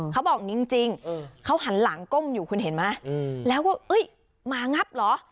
เขาบอกจริงเขาหันหลังก้มอยู่คุณเห็นไหมแล้วว่าหมางับเหรอ